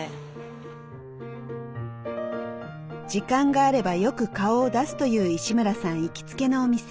時間があればよく顔を出すという石村さん行きつけのお店。